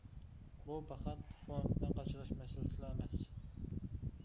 بۇ پەقەت فونتنى قاچىلاش مەسىلىسىلا ئەمەس.